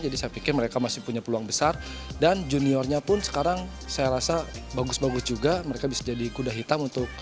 jadi saya pikir mereka masih punya peluang besar dan juniornya pun sekarang saya rasa bagus bagus juga mereka bisa jadi kuda hitam untuk menambah